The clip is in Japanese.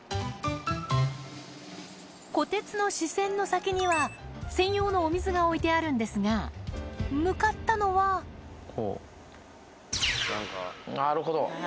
こてつの視線の先には専用のお水が置いてあるんですが向かったのはなるほど。